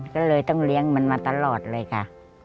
ก็เลยต้องเลี้ยงมันมาตลอดเลยค่ะ